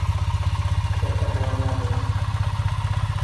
এটা একটা বড় মর্যাদা।